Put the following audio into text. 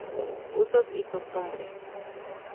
Usos y costumbres.